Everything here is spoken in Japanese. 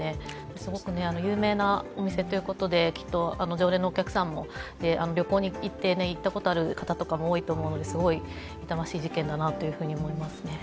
すごく有名なお店ということで、きっと常連のお客さんも旅行に行ったことがある方も多いと思うのですごい痛ましい事件だなと思いますね。